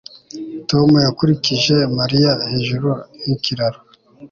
Tom yakurikiye Mariya hejuru yikiraro